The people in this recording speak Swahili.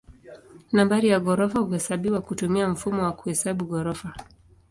Nambari ya ghorofa huhesabiwa kutumia mfumo wa kuhesabu ghorofa.